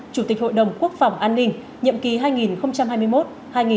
chủ tịch hội đồng quốc phòng an ninh nhậm ký hai nghìn hai mươi một hai nghìn hai mươi sáu